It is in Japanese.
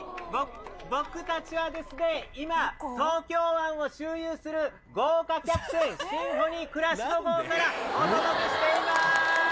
僕たちはですね、今、東京湾を周遊する豪華客船、シンフォニークラシカ号からお届けしています。